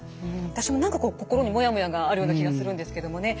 私も何かこう心にモヤモヤがあるような気がするんですけどもね。